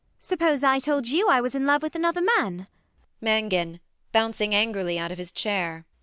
Suppose I told you I was in love with another man! MANGAN [bouncing angrily out of his chair].